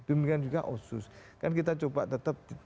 demikian juga otsus kan kita coba tetap